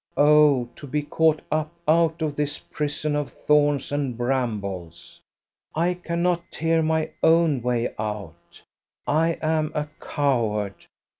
Oh! to be caught up out of this prison of thorns and brambles. I cannot tear my own way out. I am a coward.